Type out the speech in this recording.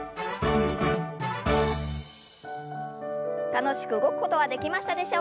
楽しく動くことはできましたでしょうか。